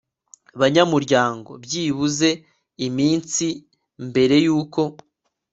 banyamuryango byibuze iminsi mbere y uko